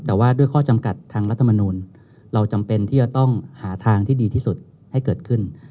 แต่ว่าด้วยข้อจำกัดทางรัฐมนูลเราจำเป็นที่จะต้องหาทางที่ดีที่สุดให้เกิดขึ้น